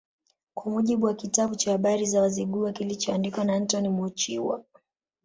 Kwa mujibu wa kitabu cha Habari za Wazigua kilichoandikwa na Antoni Mochiwa